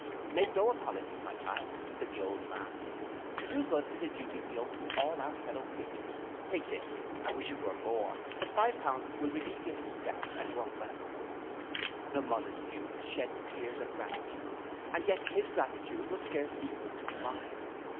'Make no apologies, my child,' said the old man, 'to do good is a duty we owe to all our fellow creatures: take this, I wish it were more; but five pounds will relieve your distress, and you are welcome.' The modest youth shed tears of gratitude, and yet his gratitude was scarce equal to mine.